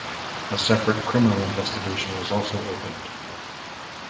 A separate criminal investigation was also opened.